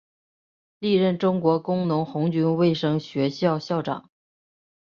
历任中国工农红军卫生学校校长。